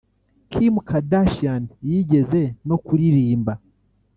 Kim Kardashian yigeze no kuririmba